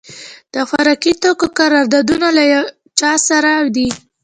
د خوراکي توکو قراردادونه له چا سره دي؟